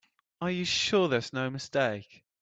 Are you sure there's no mistake?